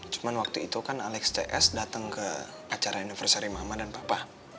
cuma waktu itu kan alex cs datang ke acara universary mama dan papa